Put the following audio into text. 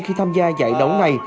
khi tham gia giải đấu này